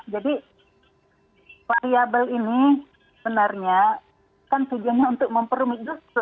jadi variable ini sebenarnya kan sejujurnya untuk memperrumit